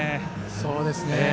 そうですね。